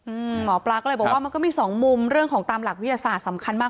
หมอปลาก็เลยบอกว่ามันก็มีสองมุมเรื่องของตามหลักวิทยาศาสตร์สำคัญมาก